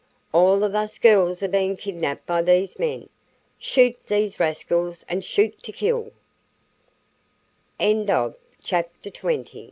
All of us girls are being kidnapped by these men. Shoot these rascals and shoot to kill." CHAPTER XXI.